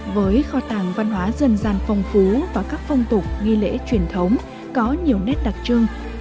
với kho tàng văn hóa dần dàn phông phú và các phong tục nghi lễ truyền thống có nhiều nét đặc trưng